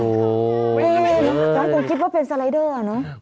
น้องคงคิดว่าเป็นสไลด์เดอร์น่ะ